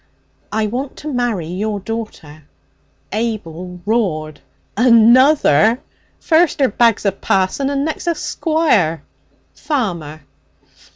'I want to marry your daughter.' Abel roared. 'Another? First 'er bags a parson and next a squire!' 'Farmer.'